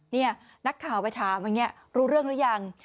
เนี่ยนักข่าวไปถามว่าเนี่ยรู้เรื่องรึยัง